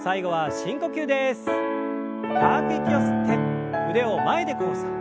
深く息を吸って腕を前で交差。